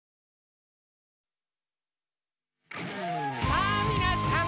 さぁみなさん！